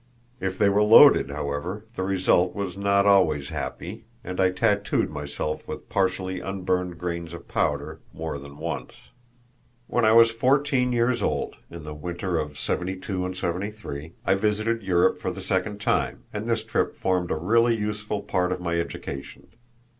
If they were loaded, however, the result was not always happy, and I tattooed myself with partially unburned grains of powder more than once. When I was fourteen years old, in the winter of '72 and '73, I visited Europe for the second time, and this trip formed a really useful part of my education.